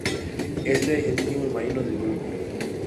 Es el digimon marino del grupo.